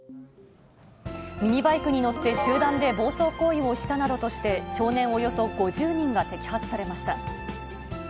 ミニバイクに乗って集団で暴走行為をしたなどとして、少年およそ５０人が摘発されました。